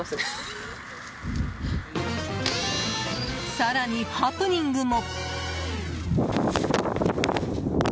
更に、ハプニングも。